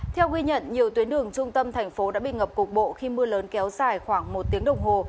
theo ghi nhận nhiều tuyến đường trung tâm thành phố đã bị ngập cục bộ khi mưa lớn kéo dài khoảng một tiếng đồng hồ